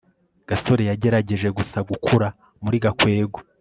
gasore yagerageje gusa gukura muri gakwego